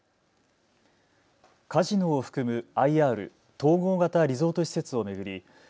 カジノを含むＩＲ・統合型リゾート施設を巡り